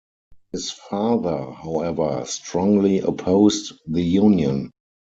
His father, however, strongly opposed the union.